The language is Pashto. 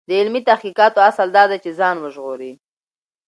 د علمي تحقیقاتو اصل دا دی چې ځان وژغوري.